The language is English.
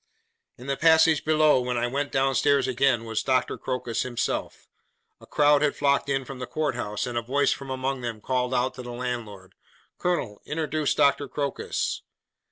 In the passage below, when I went down stairs again, was Dr. Crocus himself. A crowd had flocked in from the Court House, and a voice from among them called out to the landlord, 'Colonel! introduce Doctor Crocus.